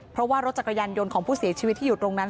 เพราะว่ารถจักรยานยนต์ของผู้เสียชีวิตที่อยู่ตรงนั้น